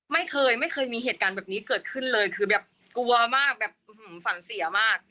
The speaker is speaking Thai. ไม่เคยไม่เคยมีเหตุการณ์แบบนี้เกิดขึ้นเลยคือแบบกลัวมากแบบฝันเสียมาก